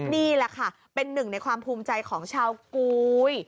นี่แหละค่ะเป็นหนึ่งในความภูมิใจของชาวกุย